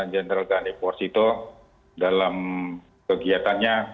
genderal dan deportito dalam kegiatannya